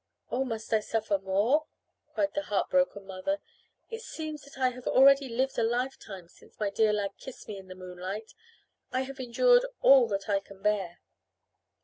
"Oh, must I suffer more?" cried the heart broken mother. "It seems that I have already lived a lifetime since my dear lad kissed me in the moonlight. I have endured all that I can bear."